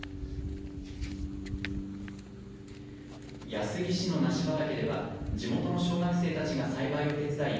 安来市の梨畑では地元の小学生たちが栽培を手伝い